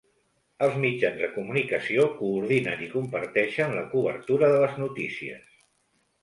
Els mitjans de comunicació coordinen i comparteixen la cobertura de les notícies.